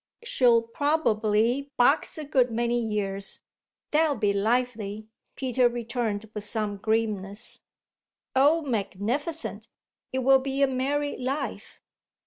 "She'll probably box a good many ears: that'll be lively!" Peter returned with some grimness. "Oh magnificent! it will be a merry life.